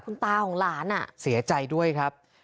คุณตาของหลานเสียใจด้วยครับ